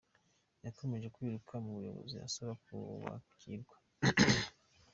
Yakomeje kwiruka mu buyobozi asaba kubakirwa.